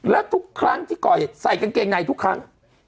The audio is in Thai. และทุกครั้งที่ก่อเหตุใส่กางเกงในทุกครั้ง